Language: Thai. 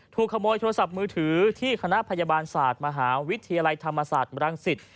ถูกขโมยโทรศัพท์มือถือที่คณะพยาบาลศาสตร์มหาวิทยาลัยธรรมศาสตร์บรังสิต